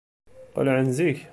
Qelɛen zik.